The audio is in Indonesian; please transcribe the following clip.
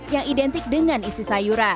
yang identik dengan isi sayuran